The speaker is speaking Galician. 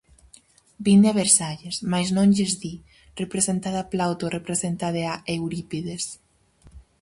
"Vinde a Versalles", mais non lles di: "Representade a Plauto, representade a Eurípides".